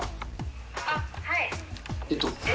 あっ、はい。